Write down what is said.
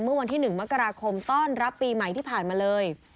เมื่อวันที่๑มกราคมต้อนรับปีใหม่ที่ผ่านมาเลย